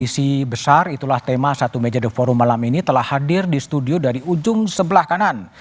misi besar itulah tema satu meja the forum malam ini telah hadir di studio dari ujung sebelah kanan